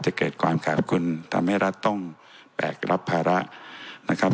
เกิดความขาดคุณทำให้รัฐต้องแบกรับภาระนะครับ